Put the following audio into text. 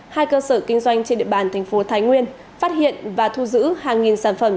hai cơ sở kinh doanh trên địa bàn thành phố thái nguyên phát hiện và thu giữ hàng nghìn sản phẩm